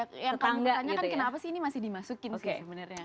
yang kamu tanyakan kenapa sih ini masih dimasukin sih sebenarnya